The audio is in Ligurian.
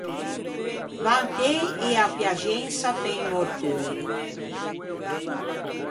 Vantëi ea à Piaxensa pe un morteuio.